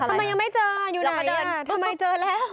ทำไมยังไม่เจออยู่เราก็เดินทำไมเจอแล้ว